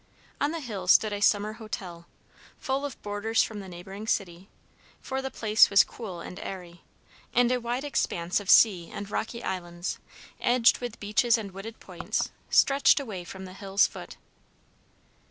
On the hill stood a summer hotel, full of boarders from the neighboring city; for the place was cool and airy, and a wide expanse of sea and rocky islands, edged with beaches and wooded points, stretched away from the hill's foot.